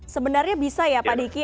sebenarnya bisa ya pak diki